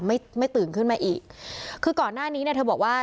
ไม่ไม่ตื่นขึ้นมาอีกคือก่อนหน้านี้เนี่ยเธอบอกว่า